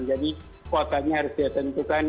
jadi waktunya harus ditentukan